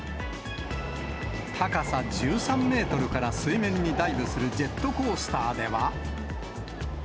高さ１３メートルから水面にダイブするジェットコースターでは。